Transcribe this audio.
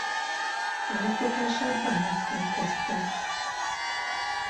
Pályafutását bányászként kezdte.